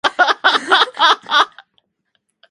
めちゃくちゃ楽しみ